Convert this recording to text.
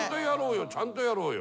ちゃんとやろうよ。